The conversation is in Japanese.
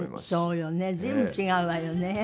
そうよね随分違うわよね。